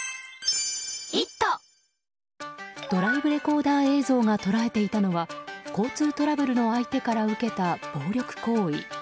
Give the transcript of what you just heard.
ドライブレコーダー映像が捉えていたのは交通トラブルの相手から受けた暴力行為。